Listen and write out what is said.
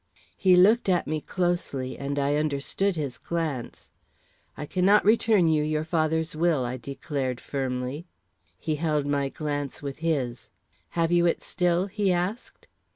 He looked at me closely, and I understood his glance. "I cannot return you your father's will," I declared, firmly. He held my glance with his. "Have you it still?" he asked.